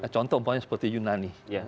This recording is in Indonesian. contoh umpamanya seperti yunani